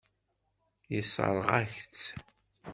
Yessṛeɣ-ak-tt.